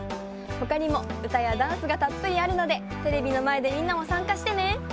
ほかにもうたやダンスがたっぷりあるのでテレビのまえでみんなもさんかしてね！